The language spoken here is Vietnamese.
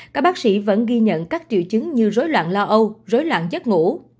các bác sĩ vẫn ghi nhận các triệu chứng như rối loạn lo âu rối loạn giấc ngủ